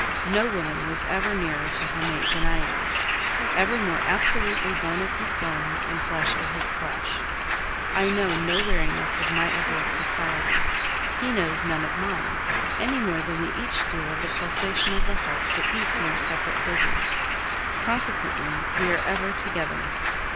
No woman was ever nearer to her mate than I am: ever more absolutely bone of his bone and flesh of his flesh. I know no weariness of my Edward's society: he knows none of mine, any more than we each do of the pulsation of the heart that beats in our separate bosoms; consequently, we are ever together.